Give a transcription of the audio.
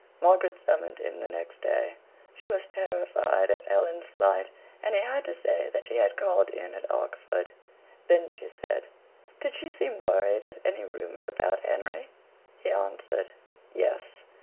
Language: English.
Margaret summoned him the next day. She was terrified at Helen's flight, and he had to say that she had called in at Oxford. Then she said: "Did she seem worried at any rumour about Henry?" He answered, "Yes."